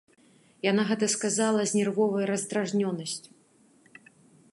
Яна гэта сказала з нервовай раздражнёнасцю.